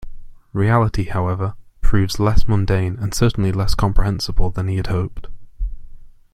Reality, however, proves less mundane and certainly less comprehensible than he had hoped.